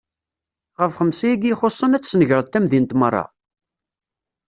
Ɣef xemsa-agi ixuṣṣen, ad tesnegreḍ tamdint meṛṛa?